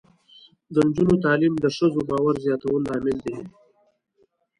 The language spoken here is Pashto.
د نجونو تعلیم د ښځو باور زیاتولو لامل دی.